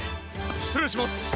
しつれいします！